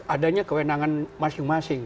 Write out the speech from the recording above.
adanya kewenangan masing masing